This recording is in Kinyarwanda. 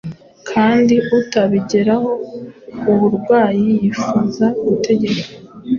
Kandi utabigeraho, uburwayi yifuza gutegeka